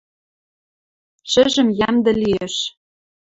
— Шӹжӹм йӓмдӹ лиэш.